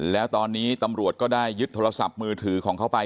แล้วตอนนี้ตำรวจก็ได้ยึดโทรศัพท์มือถือของเขาไป